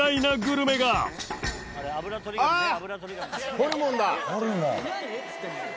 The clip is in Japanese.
ホルモン。